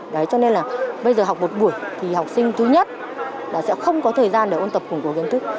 đấy cho nên là bây giờ học một buổi thì học sinh thứ nhất là sẽ không có thời gian để ôn tập củng cố kiến thức